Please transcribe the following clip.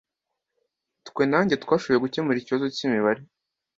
Twe na njye twashoboye gukemura ikibazo cyimibare.